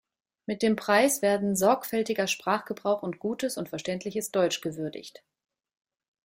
Mit dem Preis werden „sorgfältiger Sprachgebrauch und gutes und verständliches Deutsch“ gewürdigt.